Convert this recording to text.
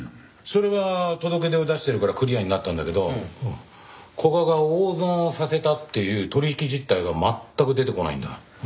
それは届け出を出してるからクリアになったんだけど古賀が大損をさせたっていう取引実態が全く出てこないんだ。